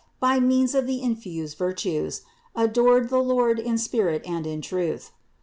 3, 28) by means of the infused virtues, adored the Lord in spirit and in truth (Jno.